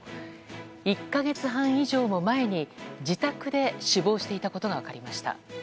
１か月半以上も前に自宅で死亡していたことが分かりました。